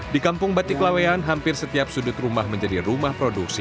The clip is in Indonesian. di kampung batik lawean hampir setiap sudut rumah menjadi rumah produksi